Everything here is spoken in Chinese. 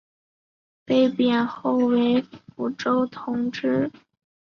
后被贬为蒲州同知。